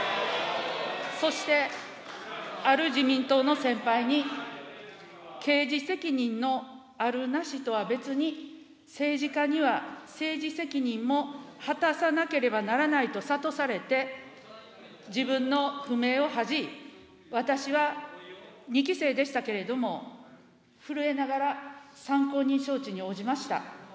そして、ある自民党の先輩に刑事責任のあるなしとは別に、政治家には政治責任も果たさなければならないと諭されて、自分の汚名を恥じ、私は２期生でしたけれども、震えながら参考人招致に応じました。